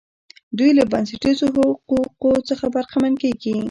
دوی له بنسټیزو حقوقو څخه برخمن کیږي.